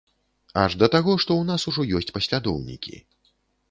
Аж да таго, што ў нас ужо ёсць паслядоўнікі.